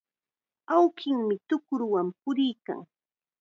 Awkinmi tukrunwan puriykan.